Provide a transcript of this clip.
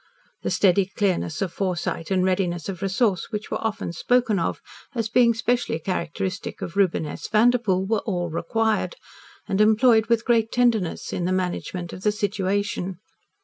The steady clearness of foresight and readiness of resource which were often spoken of as being specially characteristic of Reuben S. Vanderpoel, were all required, and employed with great tenderness, in the management of this situation.